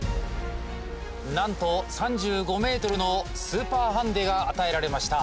なんと３５ｍのスーパーハンデが与えられました。